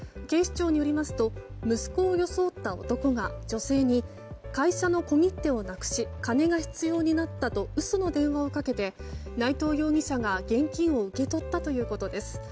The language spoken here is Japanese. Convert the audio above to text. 警視庁によりますと息子を装った男が女性に会社の小切手をなくし金が必要になったと嘘の電話をかけて内藤容疑者が現金を受け取ったということです。